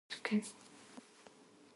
د خلکو تقاتضا ورځ په ورځ تغير کوي